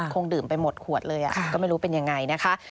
คงดื่มไปหมดขวดเลยก็ไม่รู้เป็นอย่างไร